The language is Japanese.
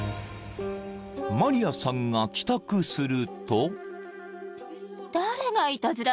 ［マリアさんが帰宅すると］